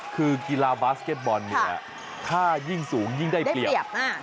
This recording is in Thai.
คือกีฬาบาสเก็ตบอลเนี่ยถ้ายิ่งสูงยิ่งได้เปรียบมาก